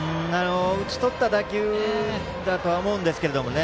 打ち取った打球だと思いますけどね。